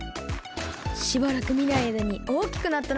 しばらくみないあいだにおおきくなったな。